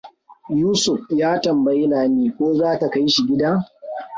Yusuf ya tambayi Lami ko za ta kaishi gida.